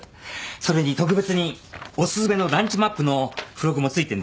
それに特別にお薦めのランチマップの付録も付いてるんです。